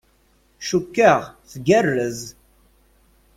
Cukkeɣ tgerrez.